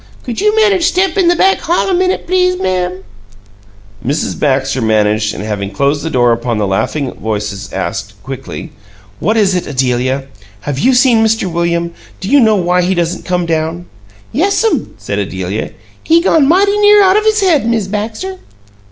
"Could you manage step in the back hall a minute, please, ma'am?" Mrs. Baxter managed and, having closed the door upon the laughing voices, asked, quickly "What is it, Adelia? Have you seen Mr. William? Do you know why he doesn't come down?" "Yes'm," said Adelia. "He gone mighty near out his head, Miz Baxter."